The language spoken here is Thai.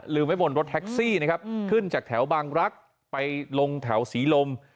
ไว้บนรถแท็กซี่นะครับขึ้นจากแถวบางรักไปลงแถวศรีลม